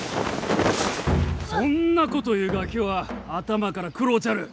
そんなこと言うガキは頭から食ろうちゃる！